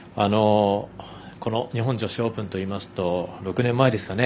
日本女子オープンといいますと６年前ですかね。